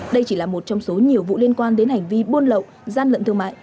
đây chỉ là một trong số nhiều vụ liên quan đến hành vi buôn lậu gian lận thương mại